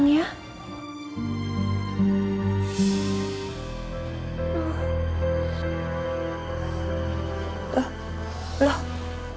kita harus ber drone